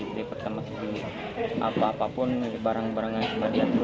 dari pertama apa apa pun barang barangnya kembali